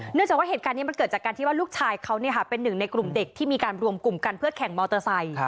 จากว่าเหตุการณ์นี้มันเกิดจากการที่ว่าลูกชายเขาเป็นหนึ่งในกลุ่มเด็กที่มีการรวมกลุ่มกันเพื่อแข่งมอเตอร์ไซค์